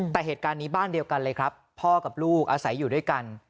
แต่เหตุการณ์นี้บ้านเดียวกันเลยครับพ่อกับลูกอาศัยอยู่ด้วยกัน